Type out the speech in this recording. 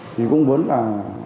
thì cũng muốn là